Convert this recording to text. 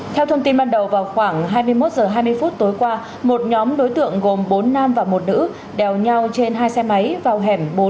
theo thông tin ban đầu vào khoảng hai mươi một h hai mươi phút tối qua một nhóm đối tượng gồm bốn nam và một nữ nhau trên hai xe máy vào hẻm bốn